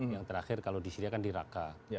yang terakhir kalau di syria kan di raqqa